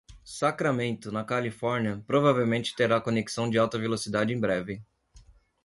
Sacramento, na Califórnia, provavelmente terá conexão de alta velocidade em breve.